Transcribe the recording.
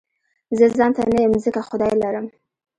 زه ځانته نه يم ځکه خدای لرم